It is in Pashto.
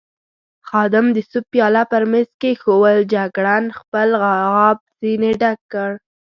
خادم د سوپ پیاله پر مېز کېښوول، جګړن خپل غاب ځنې ډک کړ.